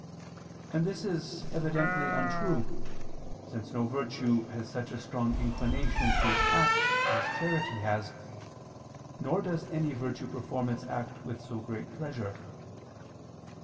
And this is evidently untrue, since no virtue has such a strong inclination to its act as charity has, nor does any virtue perform its act with so great pleasure.